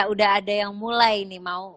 udah ada yang mulai nih mau